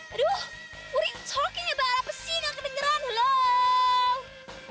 aduh what are you talking about apa sih gak kedengeran lo